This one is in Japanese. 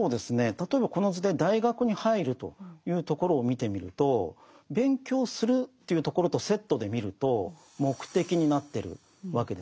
例えばこの図で大学に入るというところを見てみると勉強するというところとセットで見ると目的になってるわけですね。